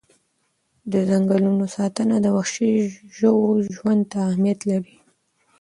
د ځنګلونو ساتنه د وحشي ژوو ژوند ته اهمیت لري.